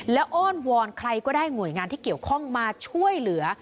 และอ้อนวอนใครก็ได้หน่วยงานที่เกี่ยวข้องมาช่วยเหลือ